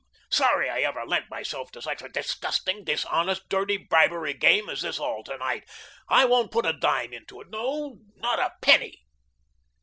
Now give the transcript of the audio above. Sorry I ever lent myself to such a disgusting, dishonest, dirty bribery game as this all to night. I won't put a dime into it, no, not a penny."